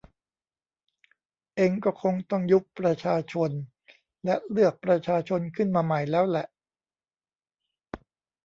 เอ็งก็คงต้องยุบประชาชนและเลือกประชาชนขึ้นมาใหม่แล้วแหละ